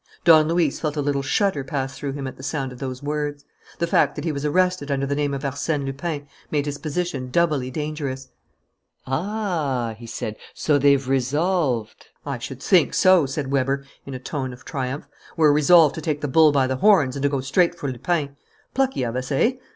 '" Don Luis felt a little shudder pass through him at the sound of those words. The fact that he was arrested under the name of Arsène Lupin made his position doubly dangerous. "Ah," he said, "so they've resolved " "I should think so!" said Weber, in a tone of triumph. "We've resolved to take the bull by the horns and to go straight for Lupin. Plucky of us, eh?